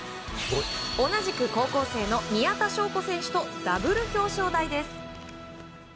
同じく高校生の宮田笙子選手とダブル表彰台です。